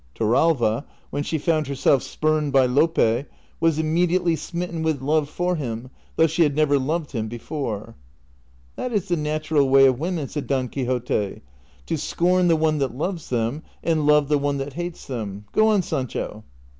Torralva, when she found her self spurned by Lope, was immediately smitten with love for him, though she had never loved him before." " That is the natural way of women," said Don Quixote, " to scorn the one that loves them, and love the one that hates them : go on, Sancho."